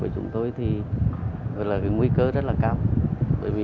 bởi vì chúng tôi là những người tiếp xúc với cộng đồng và các chiến sĩ công an cùng với chúng tôi